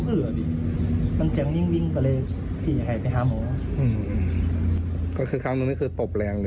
อือคือคำนั้นก็นี่คือตบแรงเลย